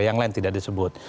yang lain tidak disebut